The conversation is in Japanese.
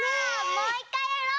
もういっかいやろう。